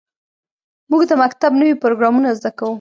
موږ د مکتب نوې پروګرامونه زده کوو.